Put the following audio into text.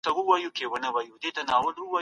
د هانمین ماشین په دقت سره توري پرتله کوي.